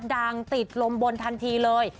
ดังติดลมบนทันทีเลย